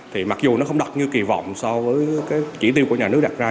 thì mặc dù nó không đạt như kỳ vọng so với cái chỉ tiêu của nhà nước đặt ra